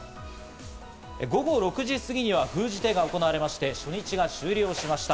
午後６時過ぎには封じ手が行われまして、初日が終了しました。